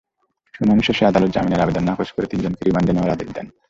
শুনানি শেষে আদালত জামিনের আবেদন নাকচ করে তিনজনকে রিমান্ডে নেওয়ার আদেশ দেন।